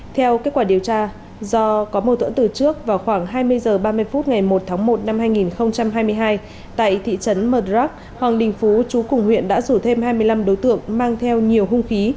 theo kết quả điều tra do có mâu thuẫn từ trước vào khoảng hai mươi h ba mươi phút ngày một tháng một năm hai nghìn hai mươi hai tại thị trấn mờ đoác hoàng đình phú chú cùng huyện đã rủ thêm hai mươi năm đối tượng mang theo nhiều hung khí